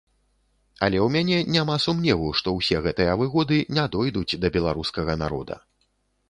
Але ў мяне няма сумневу, што ўсе гэтыя выгоды не дойдуць да беларускага народа.